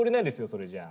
それじゃあ。